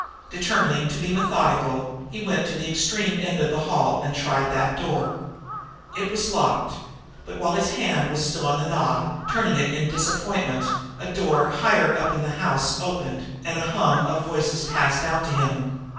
Determining to be methodical he went to the extreme end of the hall and tried that door. It was locked, but, while his hand was still on the knob, turning it in disappointment, a door, higher up in the house, opened and a hum of voices passed out to him.